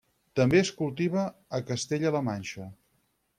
També es cultiva a Castella-la Manxa.